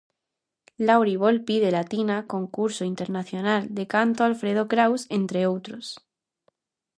Lauri-Volpi de Latina, Concurso Internacional de canto Alfredo Kraus, entre outros.